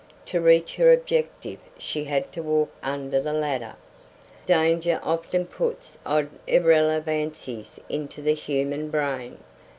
To reach her objective she had to walk under the ladder. Danger often puts odd irrelevancies into the human brain.